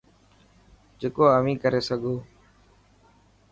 جڪو اوهين ڪري سگو.